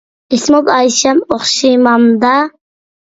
ئىسمىڭىز ئايشەم ئوخشىمامدا؟